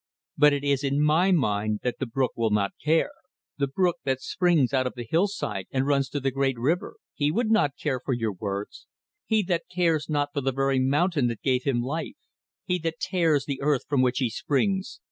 But it is in my mind that the brook will not care. The brook that springs out of the hillside and runs to the great river. He would not care for your words: he that cares not for the very mountain that gave him life; he that tears the earth from which he springs.